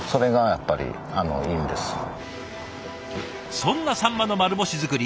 そんなサンマの丸干し作り